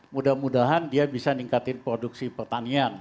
mudah mudahan dia bisa ningkatin produksi pertanian